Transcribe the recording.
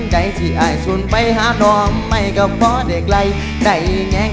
ใจที่อายสุนไปหาน้องไม่ก็เพราะเด็กไล่ใจแง่ง